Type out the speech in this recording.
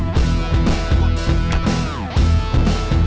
di mana itu